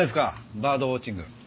バードウォッチング。